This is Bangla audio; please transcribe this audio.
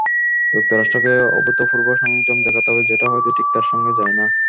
যুক্তরাষ্ট্রকে অভূতপূর্ব সংযম দেখাতে হবে, যেটা হয়তো ঠিক তার সঙ্গে যায় না।